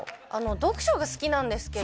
読書が好きなんですけど。